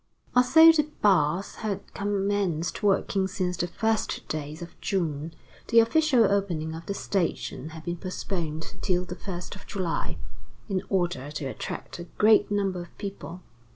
Although the baths had commenced working since the first days of June, the official opening of the station had been postponed till the first of July, in order to attract a great number of people.